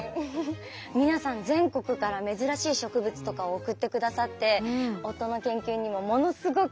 皆さん全国から珍しい植物とかを送ってくださって夫の研究にもものすごく役立ってるんです。